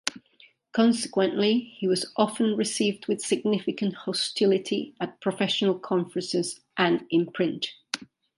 Consequently, he was often received with significant hostility at professional conferences and in print.